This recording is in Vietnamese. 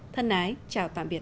thân ái chào tạm biệt